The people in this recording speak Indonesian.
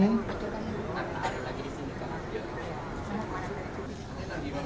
tidak tidak ada lagi di sini pak